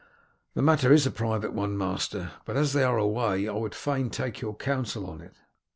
"The matter is a private one, master, but as they are away I would fain take your counsel on it."